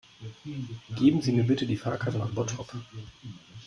Geben Sie mir bitte die Fahrkarte nach Bottrop